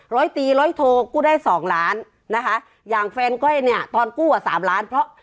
ร้อยตีร้อยโทกู้ได้สองล้านนะคะอย่างแฟนก้อยเนี่ยตอนกู้อ่ะสามล้านเพราะ